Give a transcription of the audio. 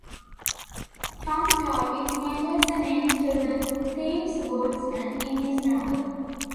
Tom Sharpe changes the name to "The Thames Boatman" in his novel.